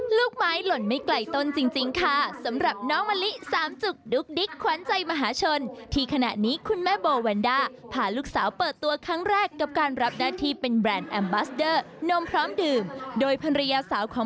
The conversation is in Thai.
ลูกไม้หล่นไม่ไกลต้นจริงค่ะสำหรับน้องมะลิสามจุกดุ๊กดิ๊กขวัญใจมหาชนที่ขณะนี้คุณแม่โบแวนด้าพาลูกสาวเปิดตัวครั้งแรกกับการรับหน้าที่เป็นแบรนด์แอมบัสเดอร์นมพร้อมดื่มโดยภรรยาสาวของ